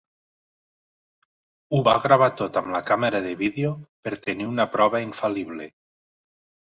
Ho va gravar tot amb la càmera de vídeo per tenir una prova infal·lible.